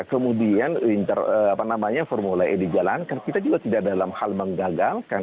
kemudian formula e dijalankan kita juga tidak dalam hal menggagalkan